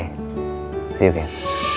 sampai jumpa kat